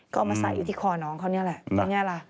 ก็เอามาใส่อยู่ที่คอน้องเขานี่แหละ